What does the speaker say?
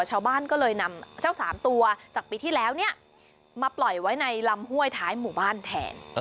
ชาวบ้านก็เลยนำเจ้าสามตัวจากปีที่แล้วเนี่ยมาปล่อยไว้ในลำห้วยท้ายหมู่บ้านแทน